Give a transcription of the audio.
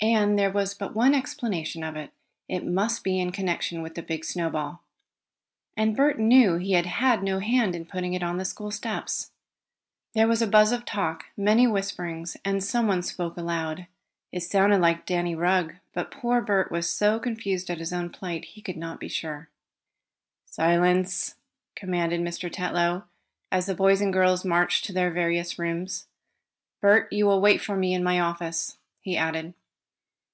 And there was but one explanation of it. It must be in connection with the big snowball. And Bert knew he had had no hand in putting it on the school steps. There was a buzz of talk, many whisperings, and some one spoke aloud. It sounded like Danny Rugg, but poor Bert was so confused at his own plight that he could not be sure. "Silence!" commanded Mr. Tetlow, as the boys and girls marched to their various rooms. "Bert, you will wait for me in my office," he added.